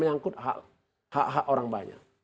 menyangkut hak hak orang banyak